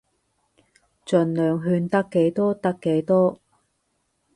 儘量勸得幾多得幾多